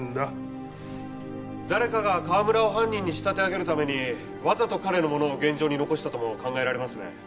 誰かが川村を犯人に仕立て上げるためにわざと彼のものを現場に残したとも考えられますね。